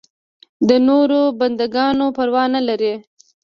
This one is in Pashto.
د نورو بنده ګانو پروا نه لري.